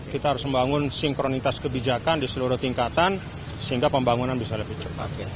kita harus membangun sinkronitas kebijakan di seluruh tingkatan sehingga pembangunan bisa lebih cepat